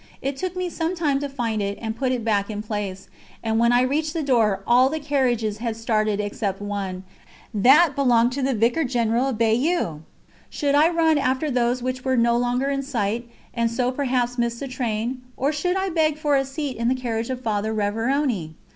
It took me some time to find and put it back in place, and when I reached the door all the carriages had started except one; that belonged to the Vicar General of Bayeux! Should I run after those which were no longer in sight and so perhaps miss the train, or should I beg for a seat in the carriage of Father Révérony?